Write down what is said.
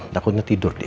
takutnya tidur dia